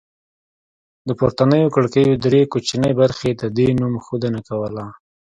د پورتنیو کړکیو درې کوچنۍ برخې د دې نوم ښودنه کوله